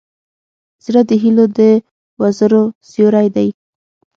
زړه د هيلو د وزرو سیوری دی.